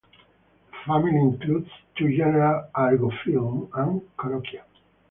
The family includes two genera "Argophyllum" and "Corokia".